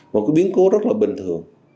một cái biến cố rất là bình thường